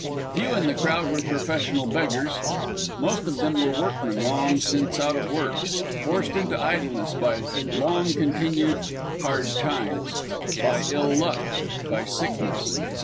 Few in the crowd were professional beggars. Most of them were workmen, long since out of work, forced into idleness by long continued "hard times," by ill luck, by sickness.